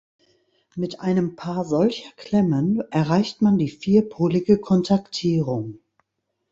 Mit einem Paar solcher Klemmen erreicht man die vierpolige Kontaktierung.